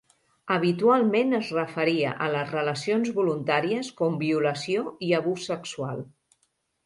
Habitualment es referia a les relacions voluntàries com "violació" i "abús sexual".